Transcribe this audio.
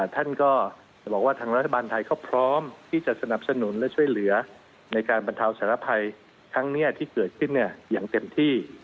ท่านก็บอกว่าทางรัฐบาลไทยเขาพร้อมที่จะสนับสนุนและช่วยเหลือในการบรรเทาสารภัยครั้งนี้ที่เกิดขึ้นอย่างเต็มที่